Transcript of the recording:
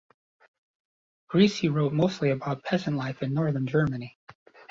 Griese wrote mostly about peasant life in northern Germany.